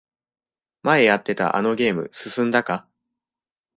前やってたあのゲーム進んだか？